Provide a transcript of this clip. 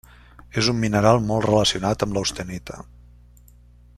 És un mineral molt relacionat amb l'austenita.